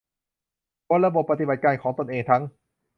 บนระบบปฏิบัติการของตนเองทั้ง